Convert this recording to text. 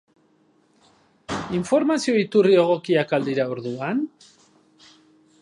Informazio iturri egokiak al dira orduan?